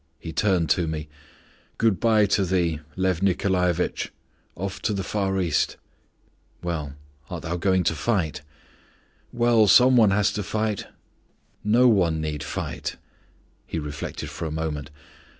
He turned to me: "Good by to thee! Lyof Nikolaevitch, off to the Far East." "Well, art thou going to fight?" "Well, some one has to fight!" "No one need fight!" He reflected for a moment.